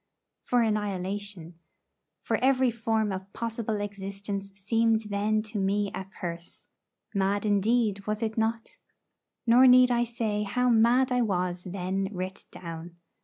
For annihilation; for every form of possible existence seemed then to me a curse. Mad indeed, was it not? Nor need I say how mad I was then writ down.